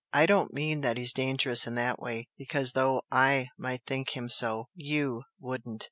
I don't mean that he's dangerous in that way, because though I might think him so, YOU wouldn't.